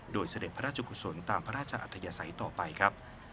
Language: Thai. โดยเสด็จพระราชกุศลตามพระราชอัธยศัยต่อไปครับ